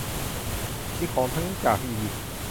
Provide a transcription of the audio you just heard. มีของทั้งจากอียิปต์